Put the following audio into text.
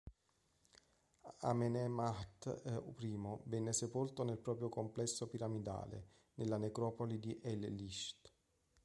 Amenemhat I venne sepolto nel proprio complesso piramidale, nella necropoli di el-Lisht.